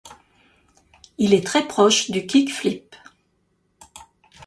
Il est très proche du kickflip.